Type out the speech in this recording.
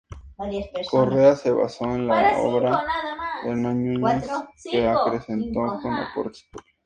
Correas se basó en la obra de Hernán Núñez que acrecentó con aportes propios.